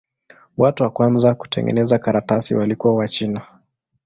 Watu wa kwanza kutengeneza karatasi walikuwa Wachina.